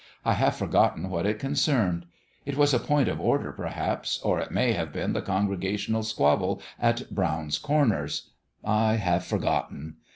I have forgotten what it concerned. It was a point of order, per haps ; or it may have been the congregational squabble at Brown's Corners. I have forgotten.